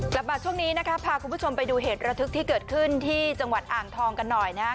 กลับมาช่วงนี้นะครับพาคุณผู้ชมไปดูเหตุระทึกที่เกิดขึ้นที่จังหวัดอ่างทองกันหน่อยนะครับ